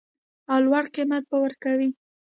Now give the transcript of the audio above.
او لوړ قیمت به ورکوي